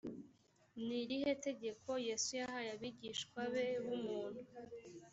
ni irihe tegeko yesu yahaye abigishwa be b umuntu